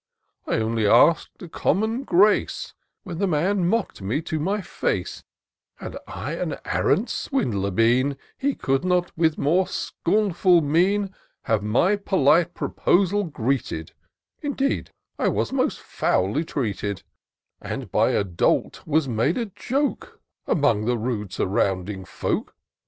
227 I only ask'd a common grace, When the man mock'd me to my face : Had I an arrant swindler been, He could not with more scornful mien Have my polite proposal greeted : Indeed, I was most foully treated ; And by a dolt was made a joke Among the rude, surrounding folk.